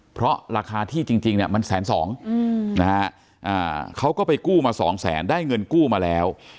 เพราะราคาที่จริงเนี่ยมันแสนสองนะฮะเขาก็ไปกู้มาสองแสนได้เงินกู้มาแล้ว